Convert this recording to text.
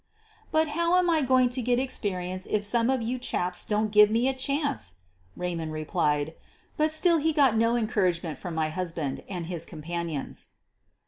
"But how am I going to get experience if some of you chaps don't give me a chance?" Eaymond replied; but still he got no encouragement from my husband and his companions.